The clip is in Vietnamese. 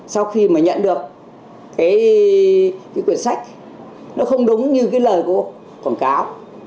sau khi mà nhận được cái cuốn sách nó không đúng như cái lời của cô quảng cáo